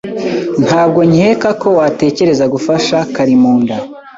Ntabwo nkeka ko watekereza gufasha Karimunda.